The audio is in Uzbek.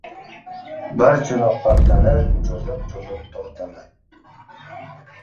Bir chanoq paxtani cho‘zib-cho‘zib tortaman.